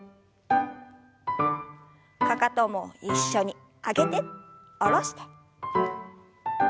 かかとも一緒に上げて下ろして。